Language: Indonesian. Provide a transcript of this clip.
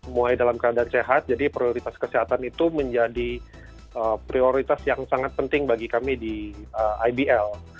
mulai dalam keadaan sehat jadi prioritas kesehatan itu menjadi prioritas yang sangat penting bagi kami di ibl